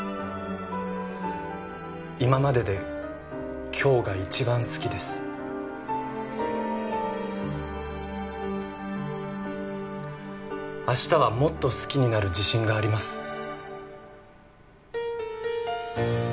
今までで今日が一番好きです明日はもっと好きになる自信があります